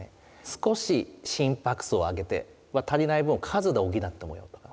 少し心拍数を上げて足りない分を数で補ってとか。